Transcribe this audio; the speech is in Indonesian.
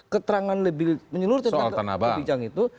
keterangan lebih menyeluruh tentang kebijakan itu